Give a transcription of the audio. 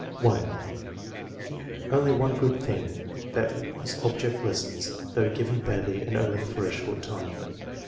(1) "Only one good thing; that was object lessons, though given badly and only for a short time."